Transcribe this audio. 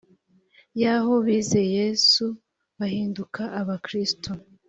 yaho bizeye yesu bahinduka abakristo